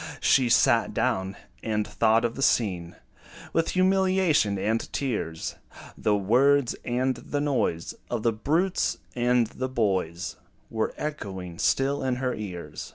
She sat down, and thought of the scene With humiliation and tears: The words, and the noise Of the brutes and the boys Were echoing still in her ears.